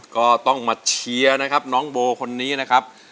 ก็ต้องมาเชียร์นะครับน้องโบคนนี้นะครับ